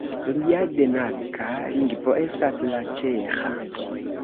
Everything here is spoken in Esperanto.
Lia denaska lingvo estas la ĉeĥa.